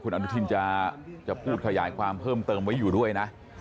อนุทินจะพูดขยายความเพิ่มเติมไว้อยู่ด้วยนะ